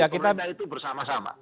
pemerintah itu bersama sama